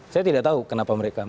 saya tidak tahu kenapa mereka